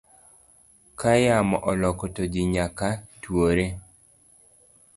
Kayamo oloko to ji nyaka tuore.